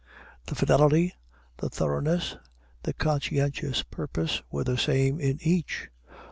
The fidelity, the thoroughness, the conscientious purpose, were the same in each.